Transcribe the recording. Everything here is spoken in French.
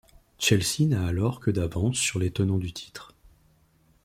Chelsea n'a alors que d'avance sur les tenants du titre.